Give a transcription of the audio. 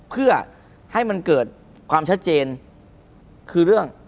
เพื่อให้มันเกิดความชัดเจนคือเรื่อง